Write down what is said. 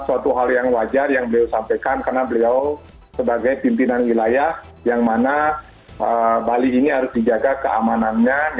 suatu hal yang wajar yang beliau sampaikan karena beliau sebagai pimpinan wilayah yang mana bali ini harus dijaga keamanannya